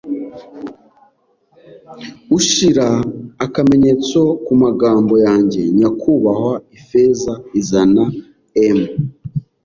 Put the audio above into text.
ushira akamenyetso kumagambo yanjye, nyakubahwa, Ifeza izazana 'em